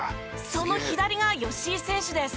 その左が吉井選手です。